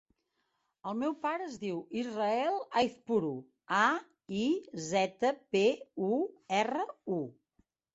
El meu pare es diu Israel Aizpuru: a, i, zeta, pe, u, erra, u.